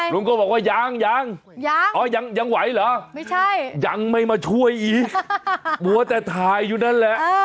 ลุงก็บอกว่ายังยังไหวเหรอไม่ใช่ยังไม่มาช่วยอีกมัวแต่ถ่ายอยู่นั่นแหละ